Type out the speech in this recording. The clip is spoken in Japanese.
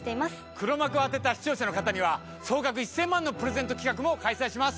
黒幕を当てた視聴者の方には総額１０００万のプレゼント企画も開催します。